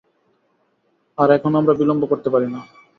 আর এখন আমরা বিলম্ব করতে পারি না।